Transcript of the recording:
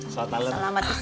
selamat istirahat anak ganteng